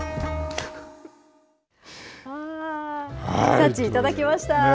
幸いただきました。